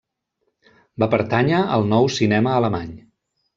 Va pertànyer al Nou cinema alemany.